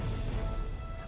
aku mau ke rumah